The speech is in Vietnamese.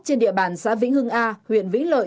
trên địa bàn xã vĩnh hưng a huyện vĩnh lợi